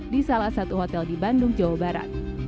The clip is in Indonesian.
di salah satu hotel di bandung jawa barat